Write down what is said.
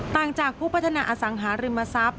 ต่างจากผู้พัฒนาอสังหาริมทรัพย